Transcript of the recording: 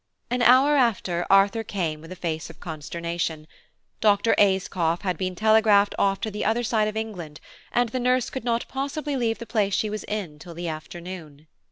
An hour after, Arthur came with a face of consternation: Dr. Ayscough had been telegraphed off to the other side of England, and the nurse could not possibly leave the place she was in till the afternoon.